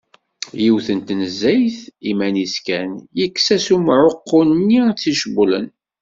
Yiwet n tnezzayt iman-is kan, yekkes-as umɛuqqu-nni tt-icewlen.